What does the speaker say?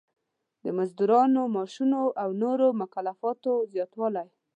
د مزدونو، معاشونو او د نورو مکافاتو زیاتوالی.